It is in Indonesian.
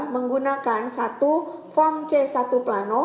menggunakan satu form c satu plano